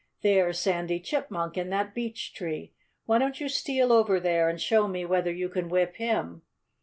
"There's Sandy Chipmunk in that beech tree. Why don't you steal over there and show me whether you can whip him?"